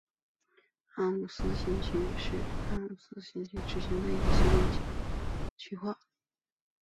阿姆斯特丹新西区是荷兰阿姆斯特丹的一个行政区划。